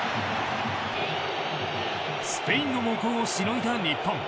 スペインの猛攻をしのいだ日本。